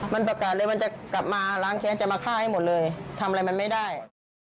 มันประกาศเลยมันจะกลับมาล้างแค้นจะมาฆ่าให้หมดเลยทำอะไรมันไม่ได้